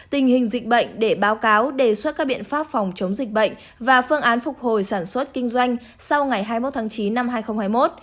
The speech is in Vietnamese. tình hình dịch bệnh để báo cáo đề xuất các biện pháp phòng chống dịch bệnh và phương án phục hồi sản xuất kinh doanh sau ngày hai mươi một tháng chín năm hai nghìn hai mươi một